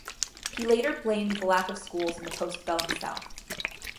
He later blamed the lack of schools in the postbellum South.